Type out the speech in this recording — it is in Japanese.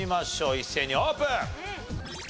一斉にオープン！